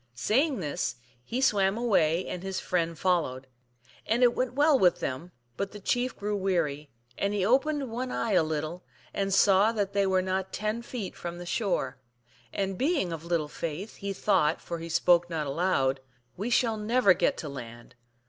Saying this, he swam away and his friend followed. And it went well with them, but the chief grew weary, and he opened one eye a little, and saw that they were not ten feet from the shore. And being of little faith < he thought, for he spoke not aloud, " We shall never/ get to land."